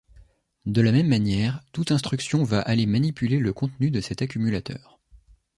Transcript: De la même manière, toute instruction va aller manipuler le contenu de cet accumulateur.